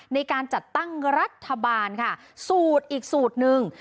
ในการจัดตั้งรัฐบาลค่ะสูตรอีกสูตรหนึ่ง